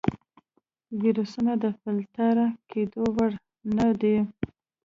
ویروسونه د فلتر کېدو وړ نه دي.